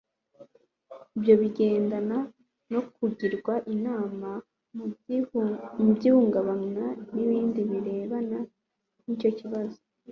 ibyo bigendana no kugirwa inama mu byihungabana n'ibindi birebana n'icyo kibazo